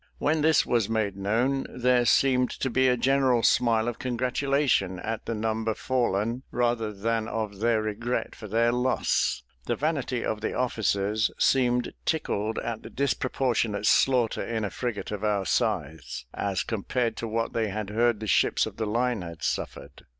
When this was made known, there seemed to be a general smile of congratulation at the number fallen, rather than of their regret for their loss. The vanity of the officers seemed tickled at the disproportionate slaughter in a frigate of our size, as compared to what they had heard the ships of the line had suffered.